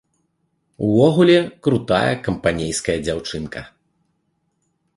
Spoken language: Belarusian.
Увогуле, крутая, кампанейская дзяўчынка!